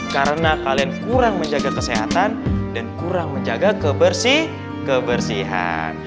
karena kalian kurang menjaga kesehatan dan kurang menjaga kebersihan